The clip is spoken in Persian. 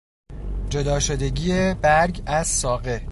جدا شدگی برگ از ساقه